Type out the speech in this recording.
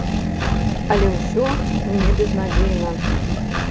Але ўсё не безнадзейна.